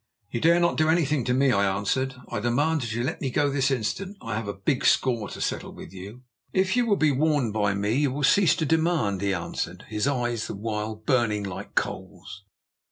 "'You dare not do anything to me,' I answered. 'I demand that you let me go this instant. I have a big score to settle with you.' "'If you will be warned by me you will cease to demand,' he answered, his eyes the while burning like coals.